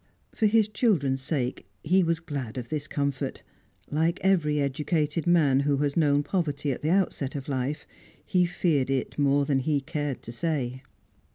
For his children's sake he was glad of this comfort; like every educated man who has known poverty at the outset of life, he feared it more than he cared to say.